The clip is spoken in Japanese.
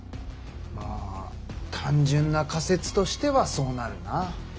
まあ単純な仮説としてはそうなるな。